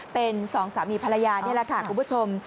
เป็นสองสามีภรรยานี่แหละค่ะคุณผู้ชม